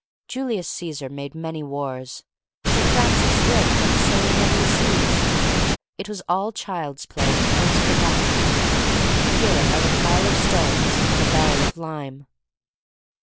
Julius Caesar made many wars. Sir Francis Drake went sailing over the seas. It was all child's play and counts for nothing. Here are the Pile of Stones and a Barrel of Lime.